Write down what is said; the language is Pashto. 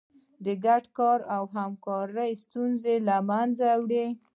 ګډ کار او همکاري ستونزې له منځه وړي.